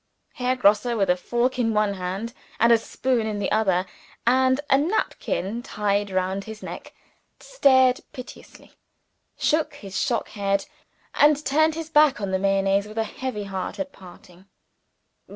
Herr Grosse with a fork in one hand and a spoon in the other, and a napkin tied round his neck stared piteously; shook his shock head; and turned his back on the Mayonnaise, with a heavy heart at parting.